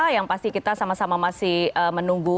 yang pasti kita sama sama masih menunggu